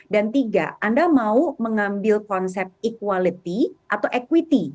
dan tiga anda mau mengambil konsep equality atau equity